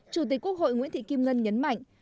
chủ tịch quốc hội nguyễn thị kim ngân nhấn mạnh